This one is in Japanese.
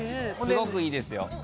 すごくいいですよ。